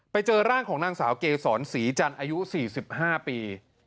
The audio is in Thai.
ไปเจอร่างของนางสาวเกษรศรีจันทร์อายุ๔๕ปี